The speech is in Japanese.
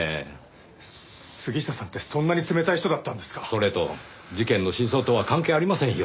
それと事件の真相とは関係ありませんよ。